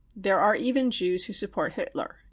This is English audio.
There are even Jews who support Hitler.